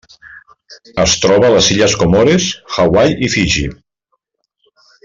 Es troba a les illes Comores, Hawaii i Fiji.